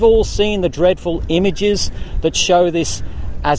yang menunjukkan ini seperti itu terjadi